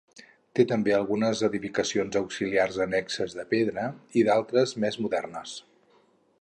Té també algunes edificacions auxiliars annexes de pedra i d'altres més modernes.